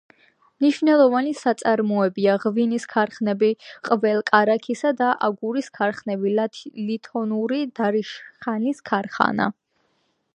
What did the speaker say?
მნიშვნელოვანი საწარმოებია: ღვინის ქარხნები, ყველ-კარაქის და აგურის ქარხნები, ლითონური დარიშხანის ქარხანა.